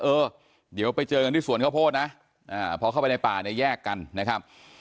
เออเดี๋ยวไปเจอกันที่สวนข้าวโพดนะพอเข้าไปในป่าเนี่ยแยกกันนะครับ